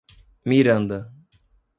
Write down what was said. Miranda